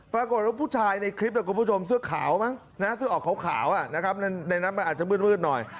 ปรากฏว่าผู้ชายในคลิปคุณผู้ชมเสื้อขาวมั้งนะเสื้อออกขาวในนั้นมันอาจจะมืดหน่อย